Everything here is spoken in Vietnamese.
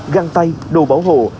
găng tay đồ bảo hộ